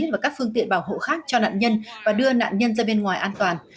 và các phương tiện bảo hộ khác cho nạn nhân và đưa nạn nhân ra bên ngoài an toàn